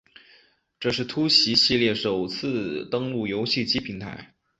这是突袭系列首次登陆游戏机平台。